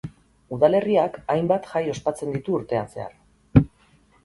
Udalerriak hainbat jai ospatzen ditu urtean zehar.